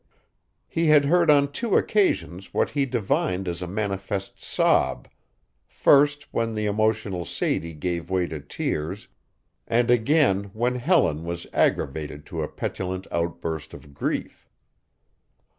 He had heard on two occasions what he divined as a manifest sob, first when the emotional Sadie gave way to tears and again when Helen was aggravated to a petulant outburst of grief.